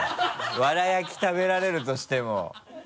わら焼き食べられるとしても。